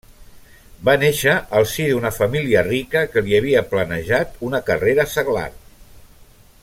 Va néixer al si d'una família rica que li havia planejat una carrera seglar.